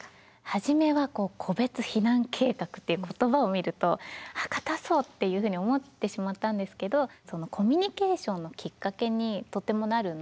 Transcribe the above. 初めは個別避難計画っていう言葉を見るとあっ堅そうっていうふうに思ってしまったんですけどコミュニケーションのきっかけにとってもなるな。